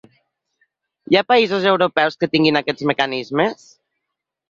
Hi ha països europeus que tinguin aquests mecanismes?